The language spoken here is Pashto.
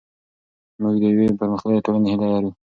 موږ د یوې پرمختللې ټولنې هیله لرو.